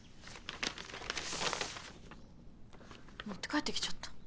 持って帰ってきちゃった。